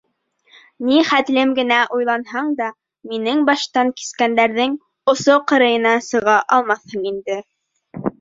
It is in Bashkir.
Ни хәтлем генә уйланһаң да, минең баштан кискәндәрҙең осо-ҡырыйына сыға алмаҫһың инде.